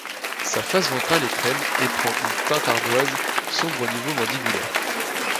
Sa face ventrale est crème et prend une teinte ardoise sombre au niveau mandibulaire.